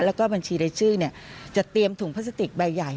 แล้วก็บัญชีรายชื่อจะเตรียมถุงพลาสติกใบใหญ่